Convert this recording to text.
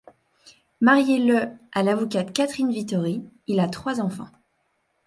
Marié le à l'avocate Catherine Vittori, il a trois enfants.